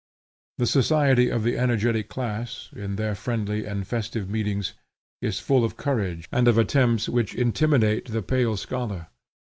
The society of the energetic class, in their friendly and festive meetings, is full of courage and of attempts which intimidate the pale scholar.